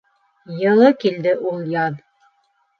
Йылы килде ул яҙ.